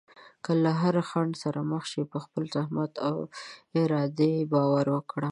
که له هر خنډ سره مخ شې، په خپل زحمت او ارادې باور وکړه.